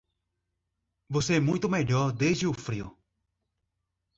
Você é muito melhor desde o frio.